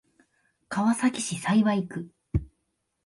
川崎市幸区